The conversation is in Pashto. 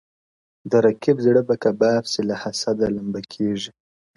د رقیب زړه به کباب سي له حسده لمبه کیږي.!